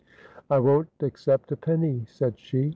' I won't accept a penny,' said she.